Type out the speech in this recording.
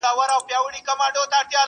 د هیله مندۍ په دې ارزښمنه ډالۍ نازولی وم؛